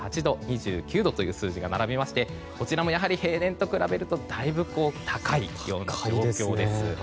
２８度、２９度という数字が並びましてこちらも平年と比べるとだいぶ高い様子です。